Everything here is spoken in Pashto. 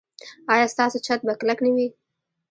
ایا ستاسو چت به کلک نه وي؟